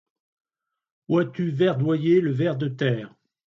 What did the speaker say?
Vois-tu verdoyer le ver de terre ?